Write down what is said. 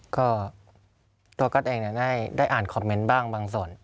ก็ตัวก๊อตเองได้อ่านคอมเมนต์บ้างบางส่วน